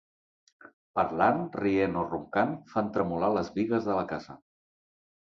Parlant, rient o roncant, fan tremolar les bigues de la casa.